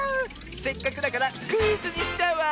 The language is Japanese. せっかくだからクイズにしちゃうわ！